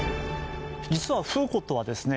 実はフーコットはですね